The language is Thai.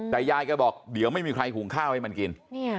แต่ยายแกบอกเดี๋ยวไม่มีใครหุงข้าวให้มันกิน